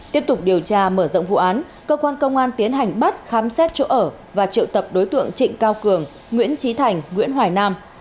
tiếp tục điều tra mở rộng vụ án cơ quan công an tiến hành bắt khám xét chỗ ở và triệu tập đối tượng trịnh cao cường nguyễn trí thành nguyễn hoài nam